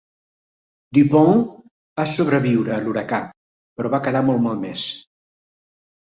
"Du Pont" va sobreviure a l'huracà, però va quedar molt malmès.